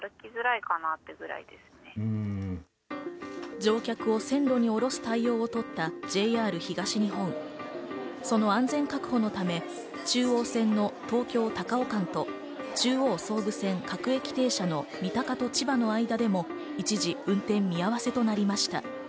乗客を線路に降ろす対応をとったＪＲ東日本、その安全確保のため、中央線の東京ー高尾間と、中央・総武線各駅停車の三鷹と千葉の間でも一時運転見合わせとなりました。